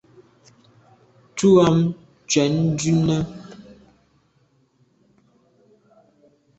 Tu am tshwèt ndume.